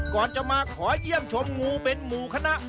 ก่อนจะมาขอเยี่ยมชมงูเป็นหมู่คณะ